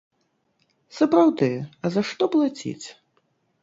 Сапраўды, а за што плаціць?